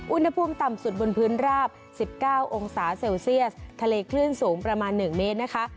อุณหภูมิต่ำสุดบนพื้นราบ๑๙องศาเซลเซียสทะเลคลื่นสูงประมาณ๑เมตรนะคะ